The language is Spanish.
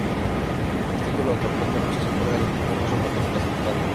El título de Campeón de Rusia se otorga al equipo ruso mejor clasificado.